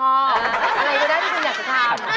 อะไรก็ได้ที่คุณอยากจะทำ